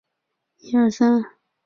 可借镜的策略与竞争力